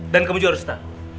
dan kamu juga harus tahu